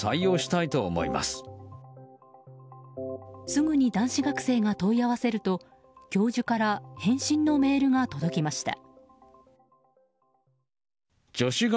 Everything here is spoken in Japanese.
すぐに男子学生が問い合わせると教授から返信のメールが届きました。